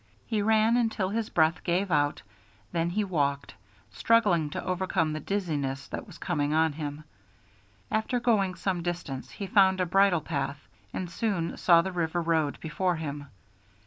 He ran until his breath gave out, then he walked, struggling to overcome the dizziness that was coming on him. After going some distance he found a bridle path, and soon saw the river road before him.